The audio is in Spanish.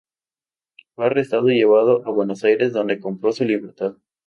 Fue arrestado y llevado a Buenos Aires, donde compró su libertad.